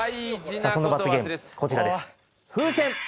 さあその罰ゲームこちらです。